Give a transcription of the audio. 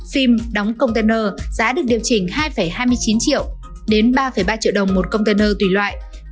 phim đóng container giá được điều chỉnh hai hai mươi chín triệu đến ba ba triệu đồng một container tùy loại